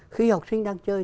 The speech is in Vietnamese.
khi học sinh đang chơi